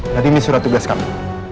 ini surat tugas kami